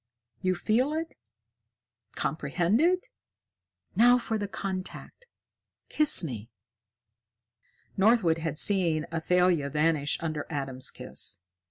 You feel it? Comprehend it? Now for the contact kiss me!" Northwood had seen Athalia vanish under Adam's kiss.